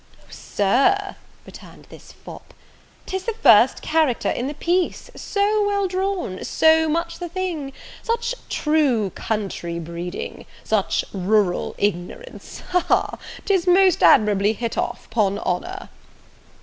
"O, Sir," returned this fop, "'tis the first character in the piece! so well drawn! so much the thing! such true country breeding such rural ignorance! ha, ha, ha! 'tis most admirably hit off, 'pon honour!"